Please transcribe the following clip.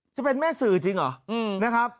จะเป็นแม่สื่อจริงเหรอนะครับ